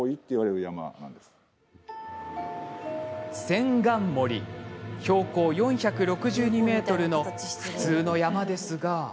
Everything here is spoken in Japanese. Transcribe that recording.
千貫森標高４６２ｍの普通の山ですが。